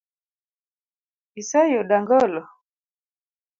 Iseyudo angolo?